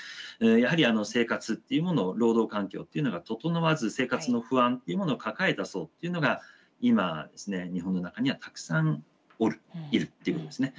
やはり生活っていうもの労働環境っていうのが整わず生活の不安っていうものを抱えた層っていうのが今ですね日本の中にはたくさんおるいるということですね。